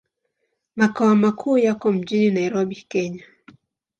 Makao makuu yako mjini Nairobi, Kenya.